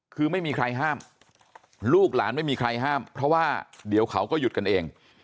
คือไม่มีใครห้ามลูกหลานไม่มีใครห้ามเพราะว่าเดี๋ยวเขาก็หยุดกันเอง